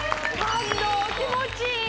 感動気持ちいい